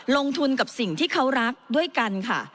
ลงทุนกับสิ่งที่เขารักด้วยกันค่ะ